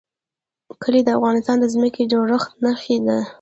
کلي د افغانستان د ځمکې د جوړښت نښه ده.